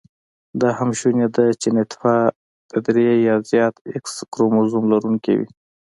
دا هم شونې ده چې نطفه د درې يا زیات x کروموزم لرونېکې وي